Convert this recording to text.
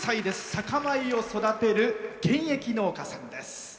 酒米を育てる現役農家さんです。